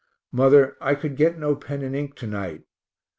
Mother, I could get no pen and ink to night.